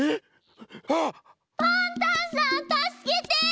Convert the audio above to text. パンタンさんたすけて！